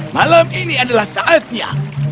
malam ini adalah saatnya